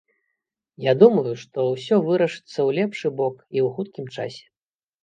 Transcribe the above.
Я думаю, што ўсё вырашыцца ў лепшы бок і ў хуткім часе.